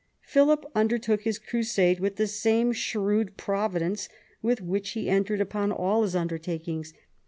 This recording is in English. Philip undertook his crusade with the same shrewd providence with which he entered upon all his under takings.